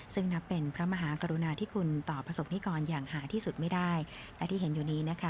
ซึ่งนับเป็นพระมหากรุณาที่คุณต่อประสบนิกรอย่างหาที่สุดไม่ได้และที่เห็นอยู่นี้นะคะ